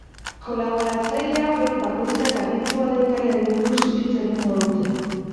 Kolaboratzaile hauek, bakoitzak aditua den gaiari buruz hitz egingo dute.